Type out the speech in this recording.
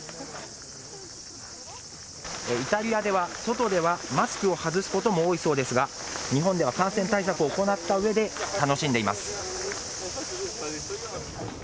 イタリアでは、外ではマスクを外すことも多いそうですが、日本では感染対策を行ったうえで、楽しんでいます。